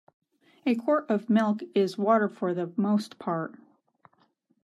A quart of milk is water for the most part.